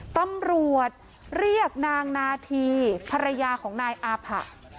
ตำรวจเรียกนางนาธีภรรยาของนายอาผะ